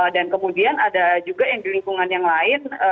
dan kemudian ada juga yang di lingkungan yang lain